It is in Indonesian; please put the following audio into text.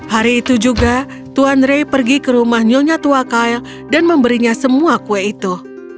hari itu juga tuan ray pergi ke rumah nyonya tuakyle dan memberinya semua kue itu